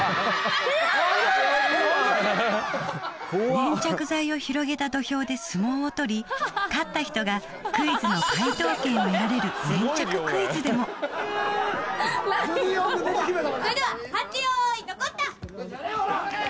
粘着剤を広げた土俵で相撲を取り勝った人がクイズの解答権を得られる粘着クイズでも・それでははっけよいのこった！